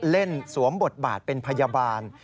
สวมบทบาทเป็นพยาบาล